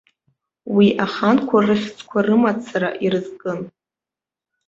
Уи аханқәа рыхьӡқәа рымацара ирызкын.